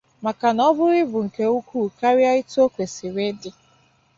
maka na o buru ibu nke ukwuu karịa etu o kwesiri ịdị.